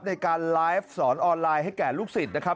ในการไลฟ์สอนออนไลน์ให้แก่ลูกศิษย์นะครับ